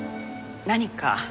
何か？